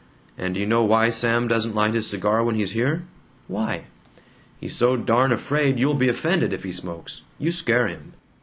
"And d' you know why Sam doesn't light his cigar when he's here?" "Why?" "He's so darn afraid you'll be offended if he smokes. You scare him.